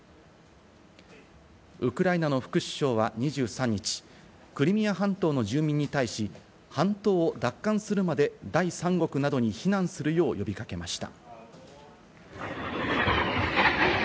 ウクライナの副首相は２３日、クリミア半島の住民に対し、半島を奪還するまで第三国などに避難するよう呼び掛けました。